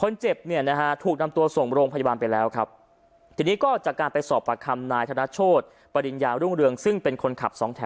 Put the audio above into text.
คนเจ็บเนี่ยนะฮะถูกนำตัวส่งโรงพยาบาลไปแล้วครับทีนี้ก็จากการไปสอบประคำนายธนโชธปริญญารุ่งเรืองซึ่งเป็นคนขับสองแถว